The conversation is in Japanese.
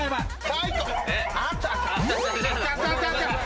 はい！